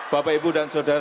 bapak ibu dan saudara